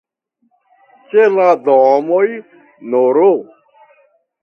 Ĉe la domoj nr.